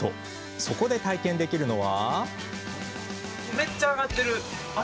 そこで、体験できるのは。